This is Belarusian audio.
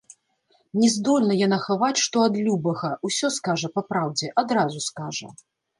Не здольна яна хаваць што ад любага, усё скажа па праўдзе, адразу скажа.